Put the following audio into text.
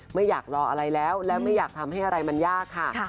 ไม่อยากรออะไรแล้วและไม่อยากทำให้อะไรมันยากค่ะ